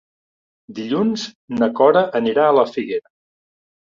Dilluns na Cora anirà a la Figuera.